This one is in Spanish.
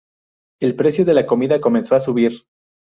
El precio de la comida comenzó a subir.